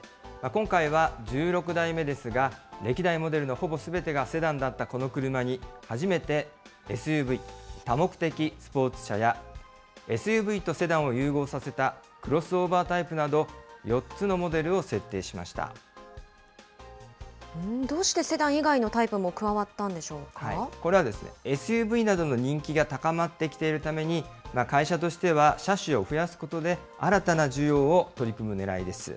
今回は１６代目ですが、歴代モデルのほぼすべてがセダンだったこの車に、初めてＳＵＶ・多目的スポーツ車や、ＳＵＶとセダンを融合させたクロスオーバータイプなど、４つのモどうしてセダン以外のタイプこれはですね、ＳＵＶなどの人気が高まってきているために、会社としては車種を増やすことで、新たな需要を取り組むねらいです。